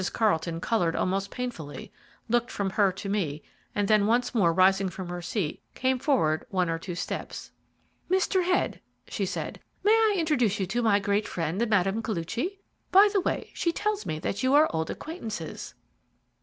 Carlton coloured almost painfully, looked from her to me, and then once more rising from her seat came forward one or two steps. "Mr. Head," she said, "may I introduce you to my great friend, Mme. Koluchy? By the way, she tells me that you are old acquaintances."